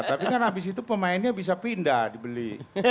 tapi kan habis itu pemainnya bisa pindah dibeli